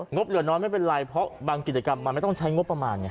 บเหลือน้อยไม่เป็นไรเพราะบางกิจกรรมมันไม่ต้องใช้งบประมาณไง